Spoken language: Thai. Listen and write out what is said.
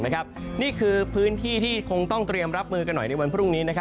นี่คือพื้นที่ที่คงต้องเตรียมรับมือกันหน่อยในวันพรุ่งนี้